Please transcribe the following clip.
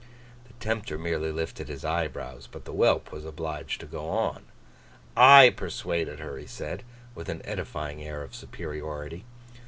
The tempter merely lifted his eyebrows; but the whelp was obliged to go on. 'I persuaded her,' he said, with an edifying air of superiority.